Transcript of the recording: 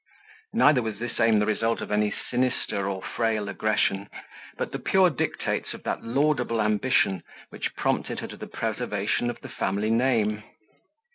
Neither was this aim the result of any sinister or frail aggression, but the pure dictates of that laudable ambition, which prompted her to the preservation of the family name.